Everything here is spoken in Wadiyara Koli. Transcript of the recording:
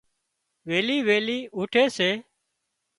ويلي ويلي اُوٺي سي